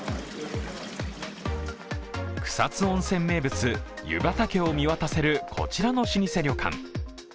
草津温泉名物・湯畑を見渡せるこちらの老舗旅館。